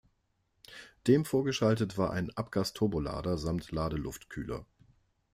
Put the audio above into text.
Dem vorgeschaltet war ein Abgasturbolader samt Ladeluftkühler.